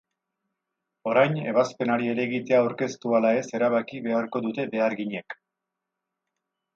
Orain, ebazpenari helegitea aurkeztu ala ez erabaki beharko dute beharginek.